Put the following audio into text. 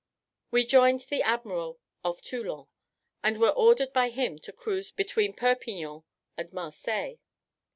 We joined the admiral off Toulon, and were ordered by him to cruise between Perpignan and Marseilles.